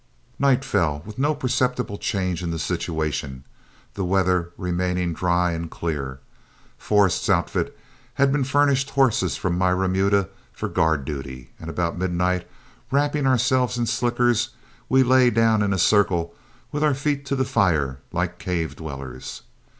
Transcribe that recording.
Night fell with no perceptible change in the situation, the weather remaining dry and clear. Forrest's outfit had been furnished horses from my remuda for guard duty, and about midnight, wrapping ourselves in slickers, we lay down in a circle with our feet to the fire like cave dwellers.